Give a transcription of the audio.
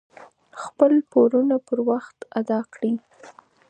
خپل پورونه پر وخت ادا کړئ.